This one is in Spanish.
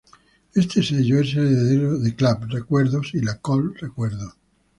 Este sello es heredero de Clap Recuerdos y La Col Recuerdos.